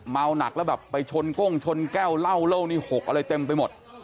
หนักแล้วแบบไปชนก้งชนแก้วเหล้าเหล้านี่หกอะไรเต็มไปหมด